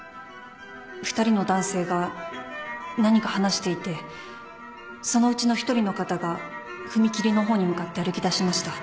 ２人の男性が何か話していてそのうちの１人の方が踏切の方に向かって歩きだしました。